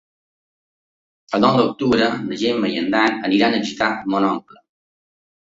El nou d'octubre na Gemma i en Dan iran a visitar mon oncle.